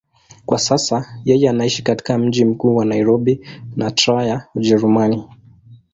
Kwa sasa yeye anaishi katika mji mkuu wa Nairobi na Trier, Ujerumani.